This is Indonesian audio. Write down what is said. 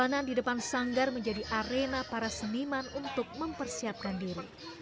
jalanan di depan sanggar menjadi arena para seniman untuk mempersiapkan diri